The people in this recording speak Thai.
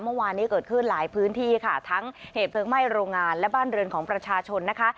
เมื่อวานนี้เกิดขึ้นหลายพื้นที่ค่ะทั้งเหตุเพลิงไหม้โรงงานและบ้านเรือนของประชาชนนะคะ